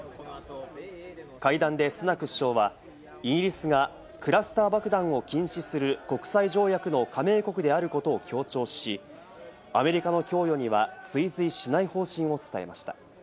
会談でスナク首相は、イギリスがクラスター爆弾を禁止する国際条約の加盟国であることを強調し、アメリカの供与には追随しない方針を伝えました。